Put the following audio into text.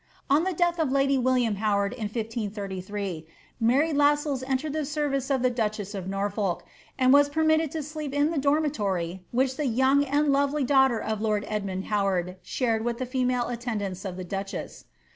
On the death of lady William Howard' in 1533, Mary Lassells entered the service of the dochess of Norfolk, and was permitted to sleep in the dormitory which the young and lovely daughter of lord Edmund Howard shared with the female attendants of the duchess.